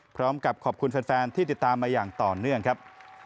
พร้อมกับขอบคุณแฟนที่ติดตามมาอย่างต่อเนื่องครับ